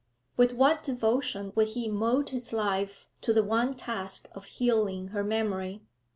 With what devotion would he mould his life to the one task of healing her memory!